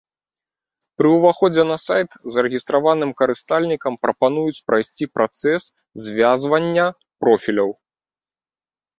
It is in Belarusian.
Пры ўваходзе на сайт зарэгістраваным карыстальнікам прапануюць прайсці працэс звязвання профіляў.